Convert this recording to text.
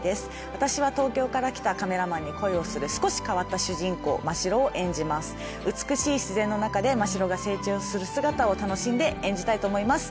私は東京から来たカメラマンに恋をする少し変わった主人公真白を演じます美しい自然の中で真白が成長する姿を楽しんで演じたいと思います